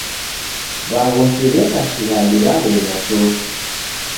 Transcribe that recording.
W'aghosi w'eka shighadi w'aw'enywa chofi.